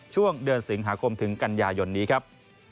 ช่วงเดือนสิงหาคมถึงกันยายนนี้ครับ